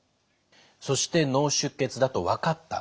そして脳出血だと分かった。